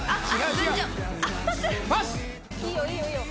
「群青」パス・いいよいいよいいよ